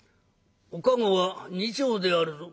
「お駕籠は２丁であるぞ」。